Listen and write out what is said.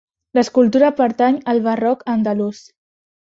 L'escultura pertany al barroc andalús.